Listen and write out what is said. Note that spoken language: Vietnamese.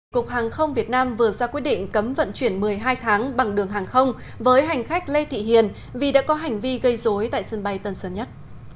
cục hàng không việt nam vừa ra quyết định cấm vận chuyển một mươi hai tháng bằng đường hàng không với hành khách lê thị hiền vì đã có hành vi gây dối tại sân bay tân sơn nhất